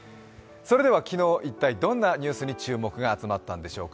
昨日、一体どんなニュースに注目が集まったのでしょうか。